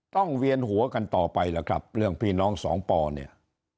เวียนหัวกันต่อไปล่ะครับเรื่องพี่น้องสองป่อเนี่ย